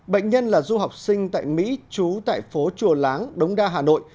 bệnh nhân là du học sinh tại mỹ trú tại phố chùa láng đống đa hà nội